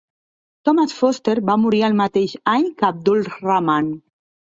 Thomas Foster va morir el mateix any que Abdul-Rahman.